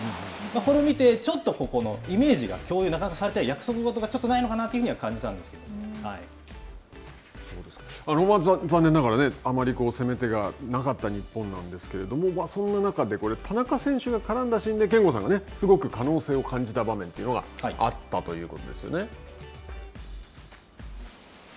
これを見て、ちょっとここのイメージが約束事がちょっとないのかなとい残念ながらあまり攻め手がなかった日本なんですけれども、そんな中で、田中選手が絡んだシーンで憲剛さんがすごく可能性を感じた場面というのがあったということですよね。